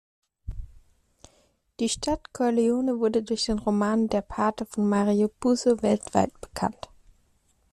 Die Stadt Corleone wurde durch den Roman "Der Pate" von Mario Puzo weltweit bekannt.